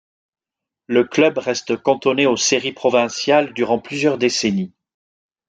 Le club reste cantonné aux séries provinciales durant plusieurs décennies.